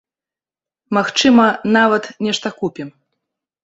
Магчыма, нават нешта купім.